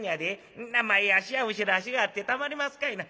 そんな前足や後ろ足があってたまりますかいな。